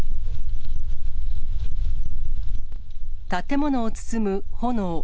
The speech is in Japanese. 建物を包む炎。